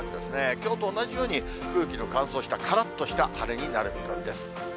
きょうと同じように、空気の乾燥した、からっとした晴れになる見込みです。